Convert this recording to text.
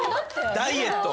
ダイエット。